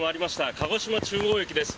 鹿児島中央駅です。